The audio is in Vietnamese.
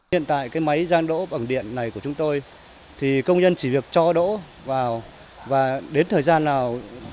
hiện tại cái máy rang đỗ bằng điện này của chúng tôi thì công nhân chỉ được cho đỗ vào và đến thời gian nào